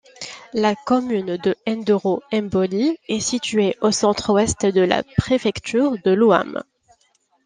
La commune de Ndoro-Mboli est située au centre-ouest de la préfecture de l’Ouham.